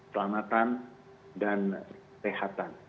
selamatan dan kesehatan